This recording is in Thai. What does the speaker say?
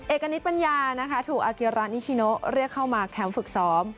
เอกณิตปัญญานะคะถูกอาเกียรานิชิโนเรียกเข้ามาแคมป์ฝึกซ้อม